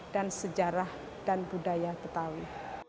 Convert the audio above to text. dan sejarah dan budaya betawi